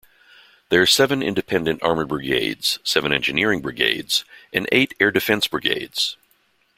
There are seven independent armoured brigades, seven engineering brigades and eight air defense brigades.